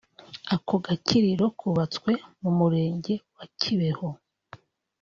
Ako gakiriro kubatswe mu Murenge wa Kibeho